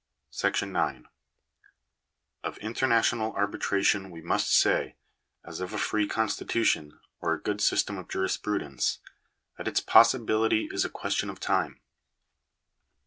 § 9. I Of international arbitration we must say, as of a free cou rt stitution, or a good system of jurisprudence, that its possibility I; is a question of time.